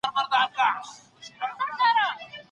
باور په اداکاري سره پیدا کېږي.